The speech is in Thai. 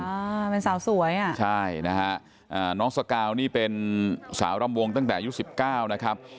อ่าเป็นสาวสวยอ่ะใช่นะฮะอ่าน้องสกาวนี่เป็นสาวรำวงตั้งแต่อายุสิบเก้านะครับ